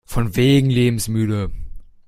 Von wegen lebensmüde!